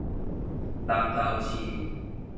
南投市